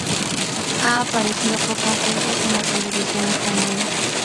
Ha aparecido pocas veces en la televisión española.